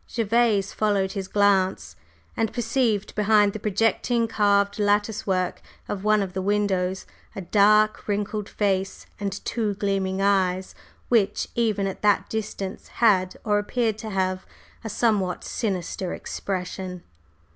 Gervase followed his glance, and perceived behind the projecting carved lattice work of one of the windows a dark, wrinkled face and two gleaming eyes which, even at that distance, had, or appeared to have, a somewhat sinister expression.